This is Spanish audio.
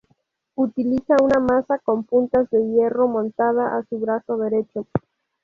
Utiliza una maza con puntas de hierro montada a su brazo derecho.